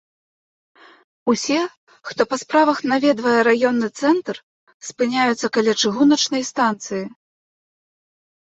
Усе, хто па справах наведвае раённы цэнтр, спыняюцца каля чыгуначнай станцыі.